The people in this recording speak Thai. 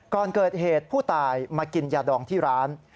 ก่อนเกิดเหตุผู้ตายมากินยาดองที่ร้าน